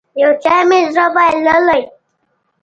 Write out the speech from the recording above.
يو چا مې زړه بايللی.